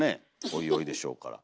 おいおいでしょうから。